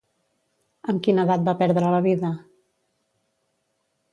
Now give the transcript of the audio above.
Amb quina edat va perdre la vida?